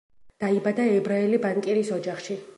დაიბადა ებრაელი ბანკირის ოჯახში.